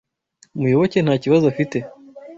Muyoboke ntakibazo afite.